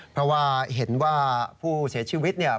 เพราะว่าเห็นว่าผู้เสียชีวิตเนี่ย